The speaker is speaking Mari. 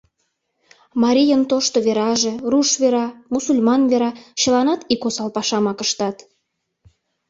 Марийын тошто вераже, руш вера, мусульман вера — чыланат ик осал пашамак ыштат.